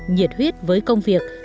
nhiệt huyết với công việc